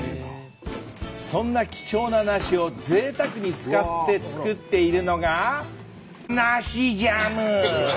そんな貴重な梨をぜいたくに使って作っているのが梨ジャム！